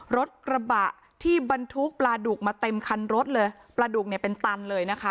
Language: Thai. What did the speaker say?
รถกระบะที่บรรทุกปลาดุกมาเต็มคันรถเลยปลาดุกเนี่ยเป็นตันเลยนะคะ